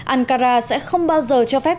ankara sẽ không bao giờ cho phép